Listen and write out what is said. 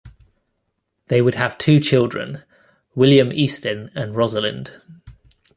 They would have two children: William Eastin and Rosalind.